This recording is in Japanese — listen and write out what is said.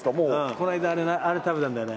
この間、あれ食べたんだよね。